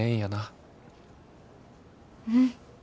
うん。